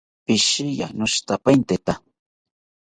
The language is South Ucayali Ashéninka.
Pishiya, noshitapainte